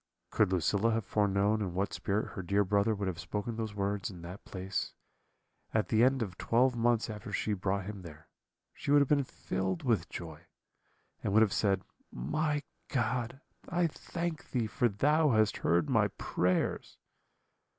"Could Lucilla have foreknown in what spirit her dear brother would have spoken those words in that place, at the end of twelve months after she had brought him there, she would have been filled with joy, and would have said, 'My God, I thank Thee, for Thou hast heard my prayers.'